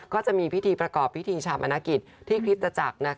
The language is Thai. ก็จะมีพิธีประกอบพิธีชาปมนเรกฤษที่คฤษต้าจักร